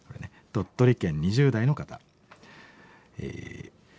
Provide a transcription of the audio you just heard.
鳥取県２０代の方。